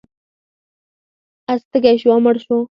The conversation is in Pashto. اس تږی شو او مړ شو.